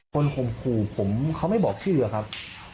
คนคุมคุมผมเขาไม่บอกชื่อหรือครับ